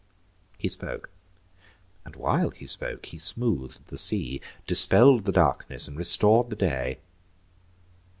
He spoke; and, while he spoke, he smooth'd the sea, Dispell'd the darkness, and restor'd the day.